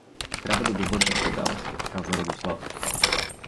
— Трябва да го вържем тогова — каза Радослав.